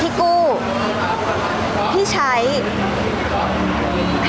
พี่ตอบได้แค่นี้จริงค่ะ